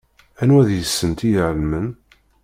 Anwa deg-sen i iɛelmen?